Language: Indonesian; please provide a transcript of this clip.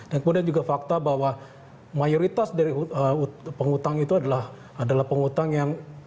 dan kemudian juga fakta bahwa mayoritas dari pengutang itu adalah pengutang yang